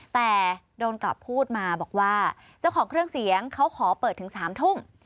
แต่โดนกลับพูดมาบอกว่าเจ้าของเครื่องเสียงเขาขอเปิดถึง๓ทุ่ม